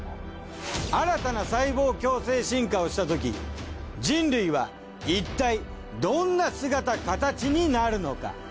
新たな細胞共生進化をしたとき人類はいったいどんな姿カタチになるのか。